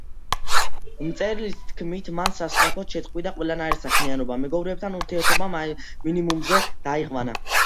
მწერლის თქმით, მან სასწრაფოდ შეწყვიტა ყველანაირი საქმიანობა, მეგობრებთან ურთიერთობა მინიმუმზე დაიყვანა.